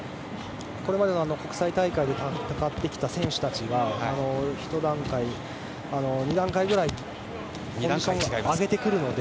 これまでの国際大会で戦ってきた選手たちがひと段階、２段階ぐらい段階を上げてくるので。